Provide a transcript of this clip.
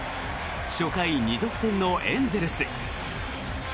初回２得点のエンゼルス。